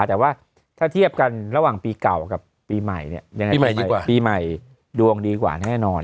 แต่ว่าถ้าเทียบกันระหว่างปีเก่ากับปีใหม่นี้ปีใหม่ดวงดีกว่านแน่นอนนะครับ